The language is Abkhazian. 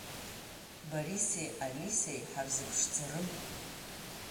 Бориси Алисеи ҳарзыԥшӡарым…